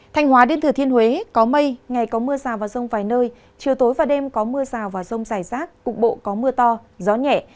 thanh hóa đến thừa thiên huế có mây ngày có mưa rào và rông vài nơi chiều tối và đêm có mưa rào và rông rải rác cục bộ có mưa to gió nhẹ